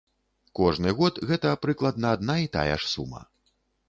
Кожны год гэта прыкладна адна і тая ж сума.